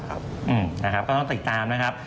ก็ต้องติดตามนะครับ